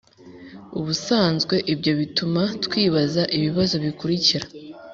ubusanzwe ibyo bituma twibaza ibibazo bikurikira